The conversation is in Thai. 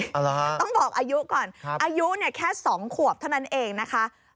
อ๋อเหรอฮะต้องบอกอายุก่อนอายุเนี่ยแค่๒ขวบเท่านั้นเองนะคะ